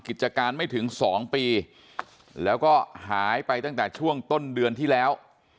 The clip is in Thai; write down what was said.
กิจการไม่ถึง๒ปีแล้วก็หายไปตั้งแต่ช่วงต้นเดือนที่แล้ว